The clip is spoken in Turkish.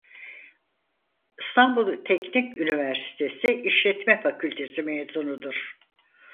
İstanbul Teknik Üniversitesi İşletme Fakültesi mezunudur.